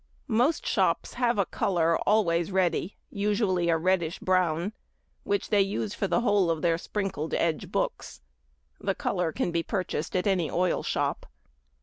_—Most shops have a colour always ready, usually a reddish brown, which they use for the whole of their sprinkled edge books. The colour can be purchased at any oil shop.